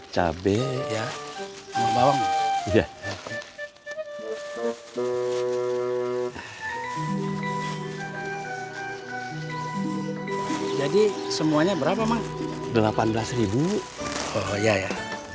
cabe ya bawangnya jadi semuanya berapa delapan belas oh ya ya